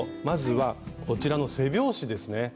まずはこちらの背表紙ですね。